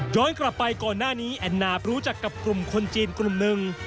กลับไปก่อนหน้านี้แอนนาบรู้จักกับกลุ่มคนจีนกลุ่มหนึ่ง